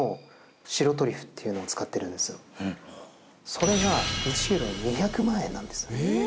それが１キロ２００万円なんです。